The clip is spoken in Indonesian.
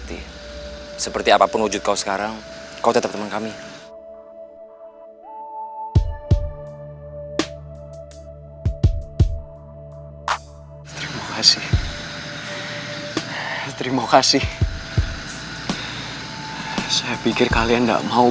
ini bukan kutukan